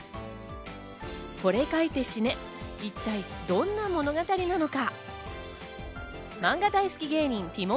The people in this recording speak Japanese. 『これ描いて死ね』、一体、どんな物語なのか？